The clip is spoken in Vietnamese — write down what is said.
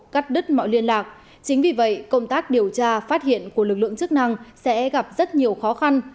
cắt đứt mọi liên lạc chính vì vậy công tác điều tra phát hiện của lực lượng chức năng sẽ gặp rất nhiều khó khăn